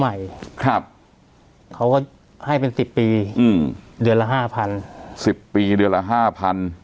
ใหม่ครับเขาก็ให้เป็นสิบปีอืมเดือนละห้าพันสิบปีเดือนละห้าพัน